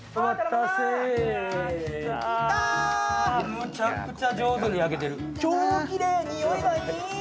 むちゃくちゃ上手に焼けてる。